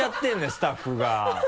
スタッフが。